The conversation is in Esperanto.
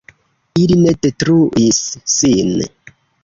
Ili ne detruis sin.